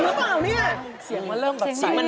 เสียงมันเริ่มเบิษมาใช่เปล่า